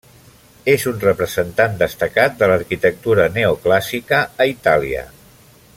És un representant destacat de l'arquitectura neoclàssica a Itàlia.